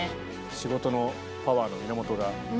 仕事のパワーの源が。